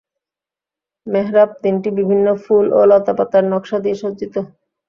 মেহরাব তিনটি বিভিন্ন ফুল ও লতাপাতার নকশা দিয়ে সজ্জিত।